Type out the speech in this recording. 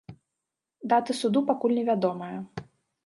Дата суду пакуль невядомая.